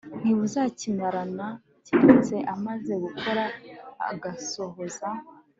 ntibuzakimirana keretse amaze gukora agasohoza